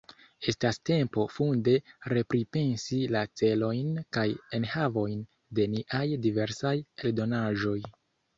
Estas tempo funde repripensi la celojn kaj enhavojn de niaj diversaj eldonaĵoj.